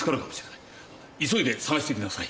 急いで探して来なさい。